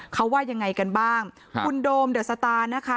เขาว่ายังไงกันบ้างครับคุณโดมเดอะสตาร์นะคะ